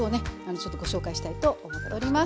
ちょっとご紹介したいと思っております。